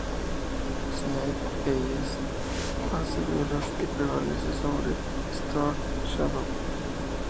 Snake Eyes hace duelos y prevalece sobre Storm Shadow.